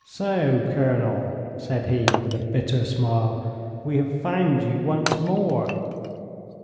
'So, Colonel,' said he, with a bitter smile, 'we have found you once more.'